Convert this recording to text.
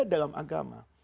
ada dalam agama